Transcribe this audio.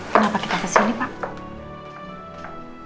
kenapa kita kesini pak